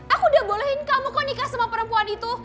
aku udah bolehin kamu kok nikah sama perempuan itu